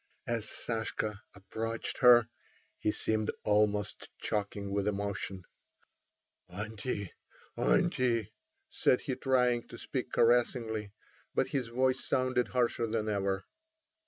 As Sashka approached her he seemed almost choking with emotion. "Auntie—auntie!" said he, trying to speak caressingly, but his voice sounded harsher than ever.